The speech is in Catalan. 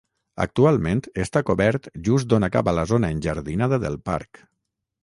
Actualment està cobert just on acaba la zona enjardinada del parc.